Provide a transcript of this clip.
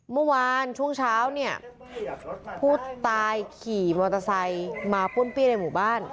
เมื่อวานช่วงเช้าเนี่ยผู้ตายขี่มอเตอร์ไซค์มาป้นเปี้ยในหมู่บ้าน